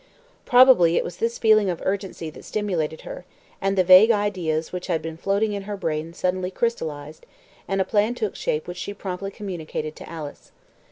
Probably it was this feeling of urgency that stimulated her, and the vague ideas which had been floating in her brain suddenly crystallised, and a plan took shape which she promptly communicated to Alice.